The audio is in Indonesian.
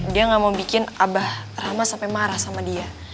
dia gak mau bikin abah trama sampai marah sama dia